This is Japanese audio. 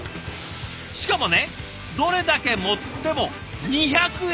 しかもねどれだけ盛っても２００円！